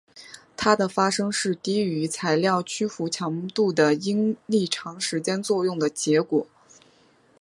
它的发生是低于材料屈服强度的应力长时间作用的结果。